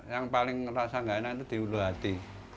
yang paling merasa nggak enak itu di ulu hati